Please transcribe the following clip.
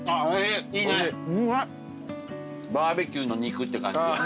バーベキューの肉って感じ。